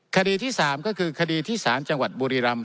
คดีที่๓ก็คือคดีที่สารจังหวัดบุรีรำ